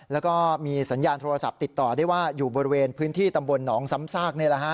แล้วก็มีสัญญาณโทรศัพท์ติดต่อได้ว่าอยู่บริเวณพื้นที่ตำบลหนองซ้ำซาก